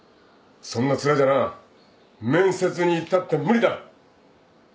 そんな面じゃな面接に行ったって無理だ。